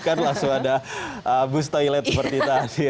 kan langsung ada bus toilet seperti tadi